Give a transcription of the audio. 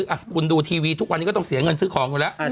อ่ะคุณดูทีวีทุกวันนี้ก็ต้องเสียเงินซื้อของอยู่แล้ว